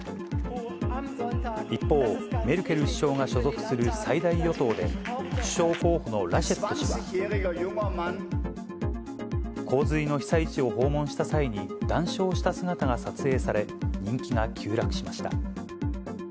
一方、メルケル首相が所属する最大与党で首相候補のラシェット氏は、洪水の被災地を訪問した際に談笑した姿が撮影され、人気が急落しました。